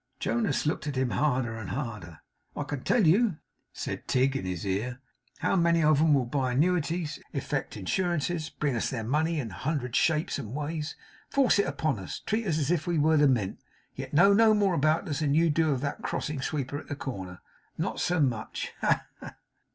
Jonas looked at him harder and harder. 'I can tell you,' said Tigg in his ear, 'how many of 'em will buy annuities, effect insurances, bring us their money in a hundred shapes and ways, force it upon us, trust us as if we were the Mint; yet know no more about us than you do of that crossing sweeper at the corner. Not so much. Ha, ha!